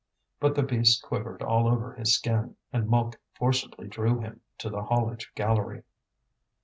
But the beast quivered all over his skin, and Mouque forcibly drew him to the haulage gallery.